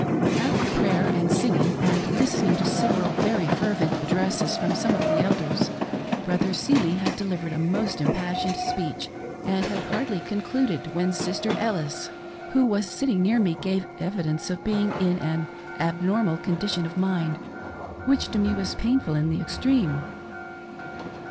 After prayer, and singing, and listening to several very fer vent addresses from some of the elders. Brother Seely had delivered a most impassioned speech, and had hardly con cluded, when Sister Ellis, who was sitting near me, gave evi dence of being in an abnormal condition of mind, which to me was painful in the extreme.